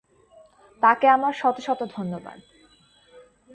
তাকে আমার শত শত ধন্যবাদ।